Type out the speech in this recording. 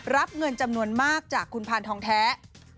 รับเงินจำนวนมากจากคุณพานทองแท้